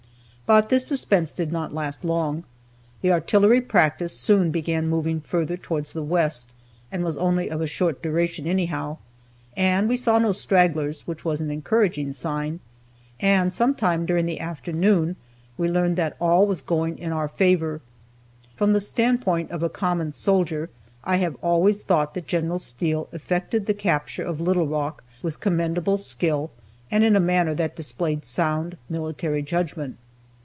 But this suspense did not last long. The artillery practice soon began moving further towards the west, and was only of short duration anyhow. And we saw no stragglers, which was an encouraging sign, and some time during the afternoon we learned that all was going in our favor. From the standpoint of a common soldier, I have always thought that General Steele effected the capture of Little Rock with commendable skill and in a manner that displayed sound military judgment.